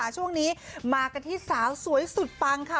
ช่วงนี้มากันที่สาวสวยสุดปังค่ะ